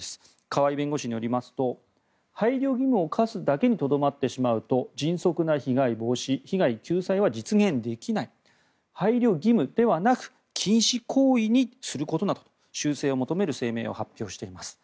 川井弁護士によりますと配慮義務を課すだけにとどまってしまうと迅速な被害防止・被害救済は実現できない配慮義務ではなく禁止行為にすることなど修正を求める声明を発表しています。